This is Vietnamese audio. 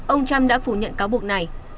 ông trump đã phủ nhận cáo buộc này